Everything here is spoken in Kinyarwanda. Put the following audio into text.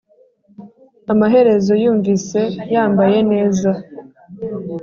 amaherezo yumvise yambaye neza,